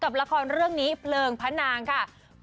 ละครเรื่องนี้เพลิงพระนางค่ะ